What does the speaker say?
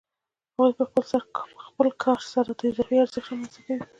هغوی په خپل کار سره اضافي ارزښت رامنځته کوي